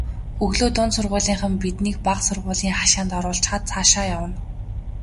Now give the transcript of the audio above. Өглөө дунд сургуулийнхан биднийг бага сургуулийн хашаанд оруулчихаад цаашаа явна.